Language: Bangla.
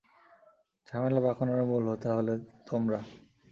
এই ঝামেলা পাকানোর মূল হোতা হলে তোমরা।